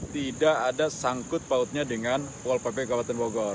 tidak ada sangkut pautnya dengan pol pp kabupaten bogor